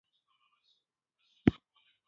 ما زمري ته وویل: لوړ کوټې ته ځو؟